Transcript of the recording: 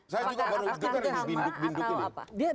saya juga baru dengar ini binduk binduk ini